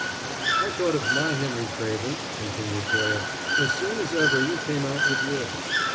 "I thought of my Henry Craven," continued Toye, "as soon as ever you came out with yours.